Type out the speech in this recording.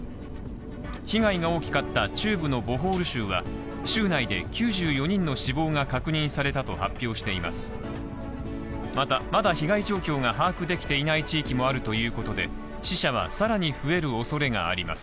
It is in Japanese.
被害が大きかった中部のボホール州は州内で９４人の死亡が確認されたと発表しています。